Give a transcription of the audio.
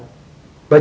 bajikannya itu penjahat